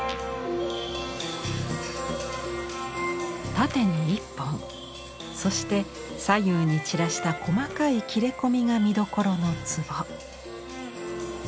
縦に一本そして左右に散らした細かい切れ込みが見どころの壺。